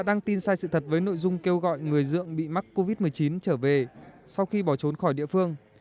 đăng tin sai sự thật với nội dung kêu gọi người dưỡng bị mắc covid một mươi chín trở về sau khi bỏ trốn khỏi địa phương